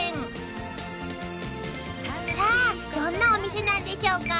［さあどんなお店なんでしょうか？］